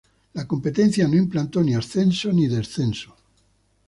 La competencia no implantó ni ascenso, ni descenso.